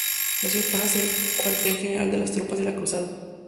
La ciudad pasa a ser cuartel general de las tropas de la cruzada.